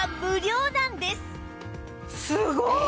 すごーい！